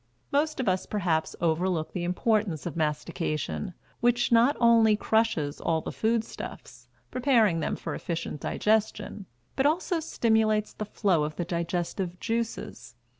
Most of us, perhaps, overlook the importance of mastication, which not only crushes all the food stuffs, preparing them for efficient digestion, but also stimulates the flow of the digestive juices.